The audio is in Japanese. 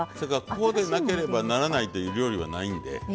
こうでなければならないという料理はないんで。